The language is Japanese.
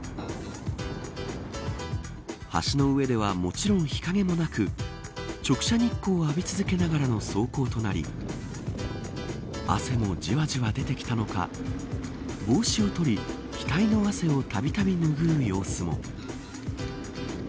橋の上では、もちろん日陰もなく直射日光を浴び続けながらの走行となり汗もじわじわ出てきたのか帽子を取り額の汗をたびたび拭う様子も。